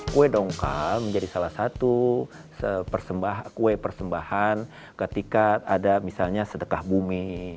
kue dongkal menjadi salah satu kue persembahan ketika ada misalnya sedekah bumi